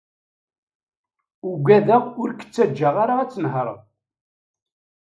Ugadeɣ ur k-ttaǧǧaɣ ara ad tnehreḍ.